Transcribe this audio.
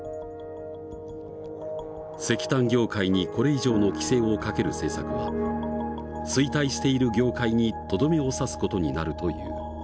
石炭業界にこれ以上の規制をかける政策は衰退している業界にとどめを刺す事になるという。